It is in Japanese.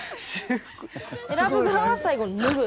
選ぶ側は最後脱ぐ。